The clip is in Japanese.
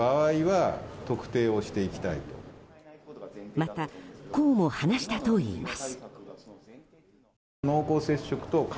またこうも話したといいます。